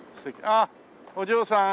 あっお嬢さん